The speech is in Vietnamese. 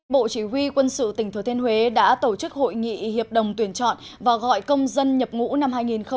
bộ chỉ huy quân sự tỉnh thừa thiên huế đã tổ chức hội nghị hiệp đồng tuyển chọn và gọi công dân nhập ngũ năm hai nghìn một mươi chín